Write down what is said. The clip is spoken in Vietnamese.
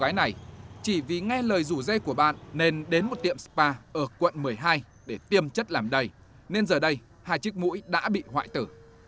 gái này chỉ vì nghe lời rủ dây của bạn nên đến một tiệm spa ở quận một mươi hai để tiêm chất làm đầy nên giờ đây hai chiếc mũi đã bị hoại tử